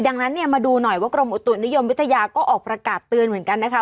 ดังนั้นเนี่ยมาดูหน่อยว่ากรมอุตุนิยมวิทยาก็ออกประกาศเตือนเหมือนกันนะคะ